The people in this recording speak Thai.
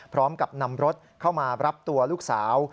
พร้อมกับนำรถเข้ามารับตัวลูกสาว